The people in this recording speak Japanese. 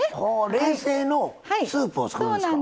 冷製のスープを作るんですか。